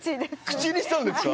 口にしたんですか？